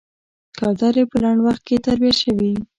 کوترې په لنډ وخت کې تربيه شوې.